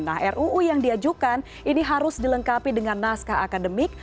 nah ruu yang diajukan ini harus dilengkapi dengan naskah akademik